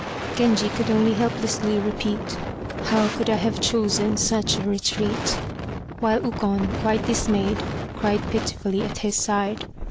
Genji could only helplessly repeat, "How could I have chosen such a retreat." While Ukon, quite dismayed, cried pitifully at his side.